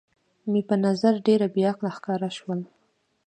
مې په نظر ډېره بې عقله ښکاره شول.